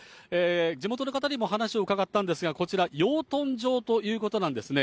地元の方にも話を伺ったんですが、こちら、養豚場ということなんですね。